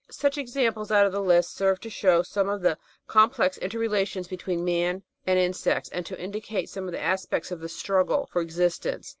Such examples out of the list serve to show some of the complex inter relations between man and Insects, and to indicate some of the aspects of the struggle for existence.